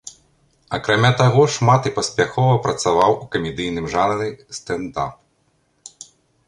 Акрамя таго, шмат і паспяхова працаваў у камедыйным жанры стэнд-ап.